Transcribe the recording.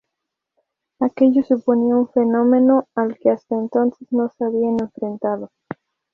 Aquello suponía un fenómeno al que hasta entonces no se habían enfrentado.